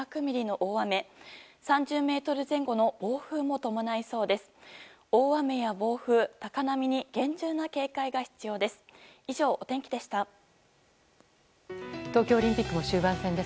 大雨や暴風、高波に厳重な警戒が必要です。